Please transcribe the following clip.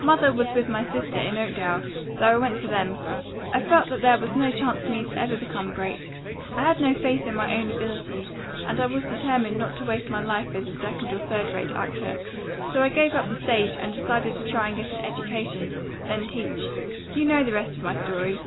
Mother was with my sister in Oakdale, so I went to them. I felt that there was no chance for me to ever become great. I had no faith in my own ability, and I was determined not to waste my life as a second or third rate actor. So I gave up the stage and decided to try to get an education, then teach. You know the rest of my story.